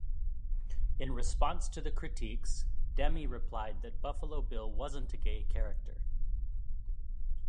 In response to the critiques, Demme replied that Buffalo Bill wasn't a gay character.